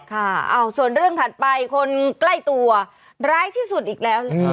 ค่ะส่วนเรื่องถัดไปคนใกล้ตัวร้ายที่สุดอีกแล้ว